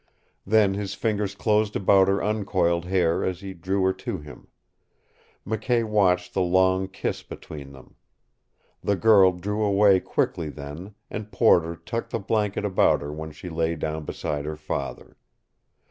Then his fingers closed about her uncoiled hair as he drew her to him. McKay watched the long kiss between them. The girl drew away quickly then, and Porter tucked the blanket about her when she lay down beside her father.